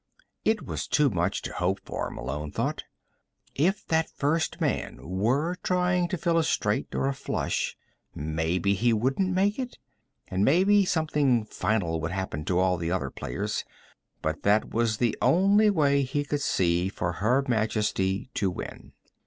It was too much to hope for, Malone thought. If that first man were trying to fill a straight or a flush, maybe he wouldn't make it. And maybe something final would happen to all the other players. But that was the only way he could see for Her Majesty to win.